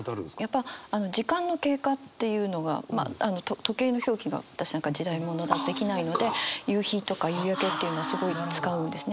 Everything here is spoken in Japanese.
やっぱ時間の経過というのが時計の表記が私なんか時代物だとできないので夕日とか夕焼けっていうのはすごい使うんですね。